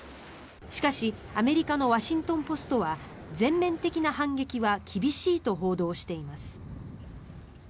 しかし、アメリカのワシントン・ポストは全面的な反撃は厳しいと報道しています。